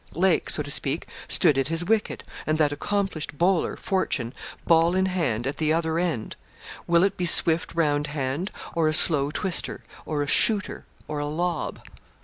Lake, so to speak, stood at his wicket, and that accomplished bowler, Fortune, ball in hand, at the other end; will it be swift round hand, or a slow twister, or a shooter, or a lob?